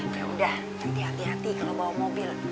ya udah nanti hati hati kalau bawa mobil